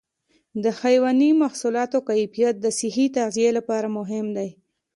د حيواني محصولاتو کیفیت د صحي تغذیې لپاره مهم دی.